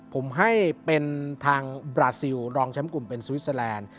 ผมให้เป็นทางบราซิลรองแชมป์กลุ่มเป็นสวิสเตอร์แลนด์